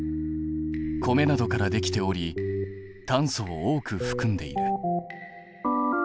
米などからできており炭素を多くふくんでいる。